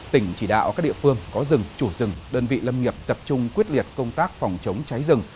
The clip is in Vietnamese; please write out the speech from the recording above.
tỉnh chỉ đạo các địa phương có rừng chủ rừng đơn vị lâm nghiệp tập trung quyết liệt công tác phòng chống cháy rừng